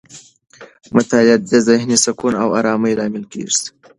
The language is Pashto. مطالعه د ذهني سکون او آرامۍ لامل ګرځي.